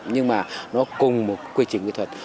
nhưng mà nó cùng một quy trình kỹ thuật